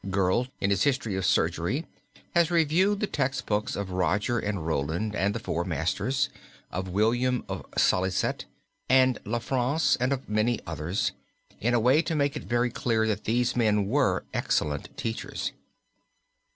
Gurlt, in his history of surgery, "Geschichte der Chirurgie" (Berlin, 1898), has reviewed the textbooks of Roger and Roland and the Four Masters, of William of Salicet and Lanfranc and of many others, in a way to make it very clear that these men were excellent teachers.